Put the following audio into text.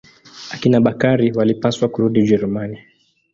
Akina Bakari walipaswa kurudi Ujerumani.